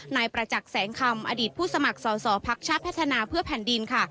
นายประจักษ์แสงคอมนายนาย